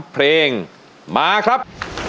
เพลงมาครับ